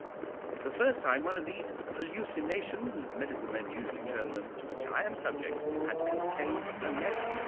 For the first time one of these "hallucinations," as medical men usually term them, to which I am subject, had contained a lesson.